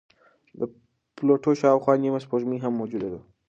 د پلوټو شاوخوا نیمه سپوږمۍ هم موجوده ده.